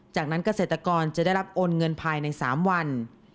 จากนั้นเกษตรกรจะได้รับโอนเงินภายใน๓วัน